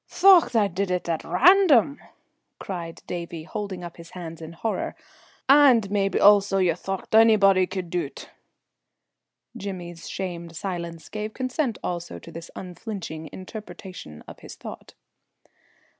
"Thocht I did it at random!" cried Davie, holding up his hands in horror. "And mebbe also ye thocht onybody could do't!" Jimmy's shamed silence gave consent also to this unflinching interpretation of his thought.